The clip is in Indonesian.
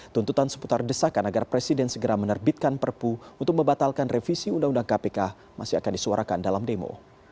tuntutan seputar desakan agar presiden segera menerbitkan perpu untuk membatalkan revisi undang undang kpk masih akan disuarakan dalam demo